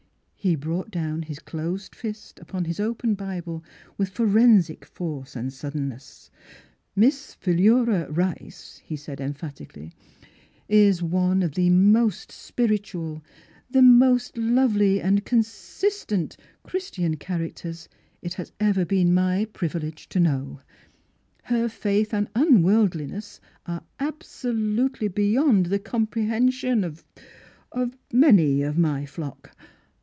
He brought down his closed fist upon his open Bible with forensic force and suddenness. ''Miss Philura Rice/' he said emphatically, ''is one of the most spiritual — the most lovely and consistent — Christian characters it has ever been my privilege to know. Her faith and unworldlinessare absolutely beyond the comprehension of — of — many of my flock.